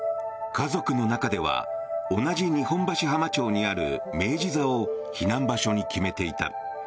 家族の中では同じ日本橋浜町にある明治座を避難場所に決めていた。